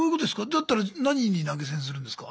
だったら何に投げ銭するんですか？